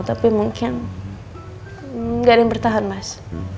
tapi mungkin nggak ada yang bertahan mas